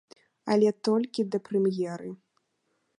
Але толькі да прэм'еры.